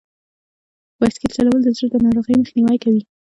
بایسکل چلول د زړه د ناروغیو مخنیوی کوي.